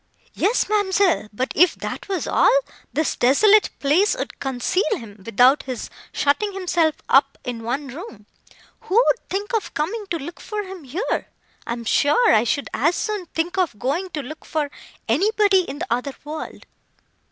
"Yes, ma'amselle, but if that was all, this desolate place would conceal him, without his shutting himself up in one room. Who would think of coming to look for him here? I am sure I should as soon think of going to look for anybody in the other world."